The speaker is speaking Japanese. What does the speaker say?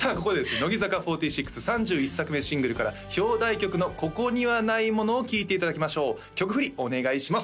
乃木坂４６３１作目シングルから表題曲の「ここにはないもの」を聴いていただきましょう曲振りお願いします！